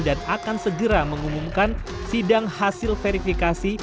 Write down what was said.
dan akan segera mengumumkan sidang hasil verifikasi